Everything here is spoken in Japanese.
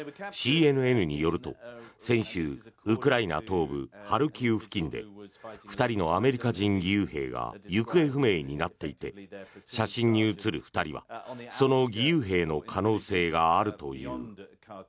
ＣＮＮによると先週ウクライナ東部ハルキウ付近で２人のアメリカ人義勇兵が行方不明になっていて写真に写る２人はその義勇兵の可能性があるという。